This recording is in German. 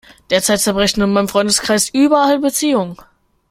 Derzeit zerbrechen in meinem Freundeskreis überall Beziehungen.